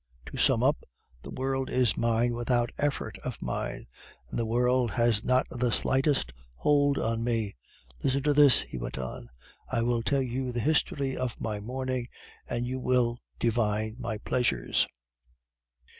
To sum up, the world is mine without effort of mine, and the world has not the slightest hold on me. Listen to this,' he went on, 'I will tell you the history of my morning, and you will divine my pleasures.